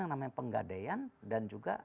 yang namanya penggadean dan juga